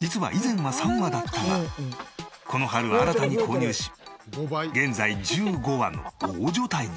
実は以前は３羽だったがこの春新たに購入し現在１５羽の大所帯に。